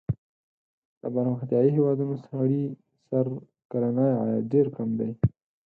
د پرمختیايي هېوادونو سړي سر کلنی عاید ډېر کم دی.